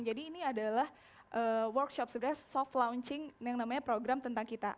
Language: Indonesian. jadi ini adalah workshop soft launching yang namanya program tentang kita